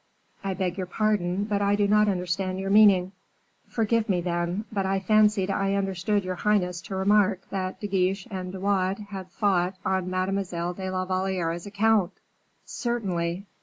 "I beg your pardon, but I do not understand your meaning." "Forgive me, then; but I fancied I understood your highness to remark that De Guiche and De Wardes had fought on Mademoiselle de la Valliere's account?" "Certainly."